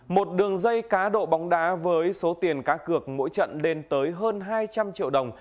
một đường dây cá độ bóng đá với số tiền cá cược mỗi trận lên tới hơn hai trăm linh triệu đồng